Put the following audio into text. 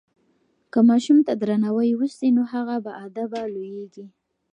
که ماشوم ته درناوی وسي نو هغه باادبه لویېږي.